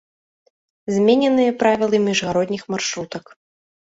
Змененыя правілы міжгародніх маршрутак.